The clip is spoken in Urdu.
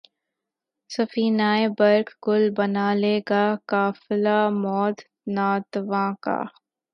سفینۂ برگ گل بنا لے گا قافلہ مور ناتواں کا